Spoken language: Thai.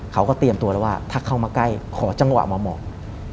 เขาก็เตรียมตัวแล้วว่าถ้าเข้ามาใกล้ขอจังหวะมามอง